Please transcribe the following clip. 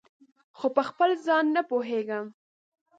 خو پخپل ځان نه پوهیږم